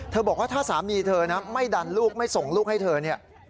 บอกว่าถ้าสามีเธอนะไม่ดันลูกไม่ส่งลูกให้เธอเนี่ย